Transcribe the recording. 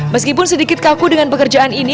meskipun sedikit kaku dengan pekerjaan ini